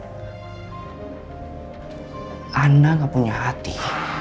ertinya bisa matem ketika dia lazim